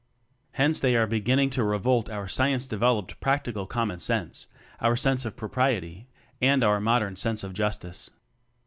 Hence ^ they are beginning to revolt our science developed practical com mon sense, our sense of propriety, and our modern sense of justice.